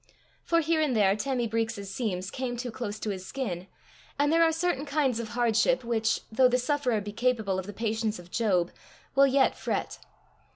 For here and there Tammy Breeks's seams came too close to his skin, and there are certain kinds of hardship which, though the sufferer be capable of the patience of Job, will yet fret.